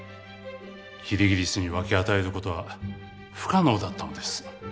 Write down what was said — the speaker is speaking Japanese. キリギリスに分け与える事は不可能だったのです。